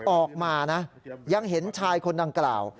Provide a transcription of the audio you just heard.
ออกมานะยังเห็นชายคนดังกล่าว